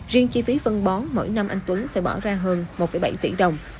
riêng chi phí phân bón mỗi năm anh tuấn phải bỏ ra hơn một bảy tỷ đồng